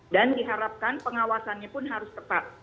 dan diharapkan pengawasannya pun harus tepat